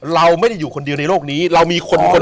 เราไม่ได้อยู่คนเดียวในโลกนี้เรามีคนคนหนึ่ง